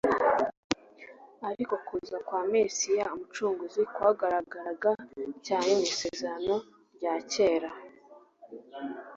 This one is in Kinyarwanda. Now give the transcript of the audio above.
Ariko kuza kwa Mesiya Umucunguzi kwagaragaraga cyane mu Isezerano rya kera.